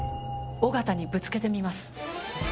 小形にぶつけてみます。